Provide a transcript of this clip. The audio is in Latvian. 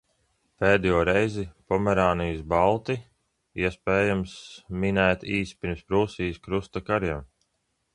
Pēdējo reizi Pomerānijas balti, iespējams, minēti īsi pirms Prūsijas krusta kariem.